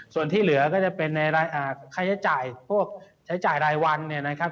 ส่วนที่เหลือก็จะเป็นในค่าใช้จ่ายพวกใช้จ่ายรายวันเนี่ยนะครับ